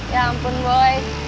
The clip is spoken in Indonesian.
ya ampun boy